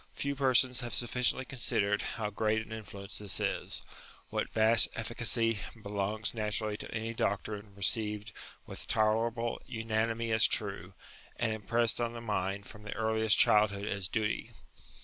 Few persons have sufficiently considered how great an influence this is ; what vast efficacy belongs natu rally to any doctrine received with tolerable unanimity as true, and impressed on the mind from the earliest childhood as duty.